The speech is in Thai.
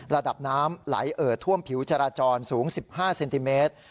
ระดับน้ำไหลเอ่อท่วมผิวจราจรสูง๑๕เซนติเมตร